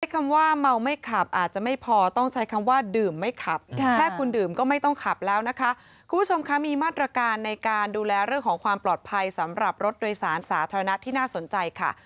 คำว่าเมาไม่ขับอาจจะไม่พอต้องใช้คำว่าดื่มไม่ขับถ้าคุณดื่มก็ไม่ต้องขับแล้วนะคะคุณผู้ชมคะมีมาตรการในการดูแลเรื่องของความปลอดภัยสำหรับรถโดยสารสาธารณะที่น่าสนใจค่ะ